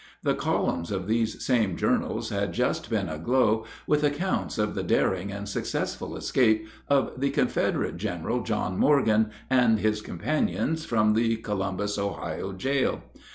The columns of these same journals had just been aglow with accounts of the daring and successful escape of the Confederate General John Morgan and his companions from the Columbus (Ohio) jail.